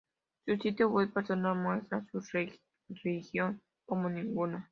Su sitio web personal muestra su religión como "ninguna".